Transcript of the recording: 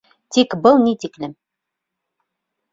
Тик был тиклем!